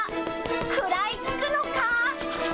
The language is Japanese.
食らいつくのか。